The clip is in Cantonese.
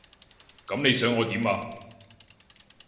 噉你想我點啊？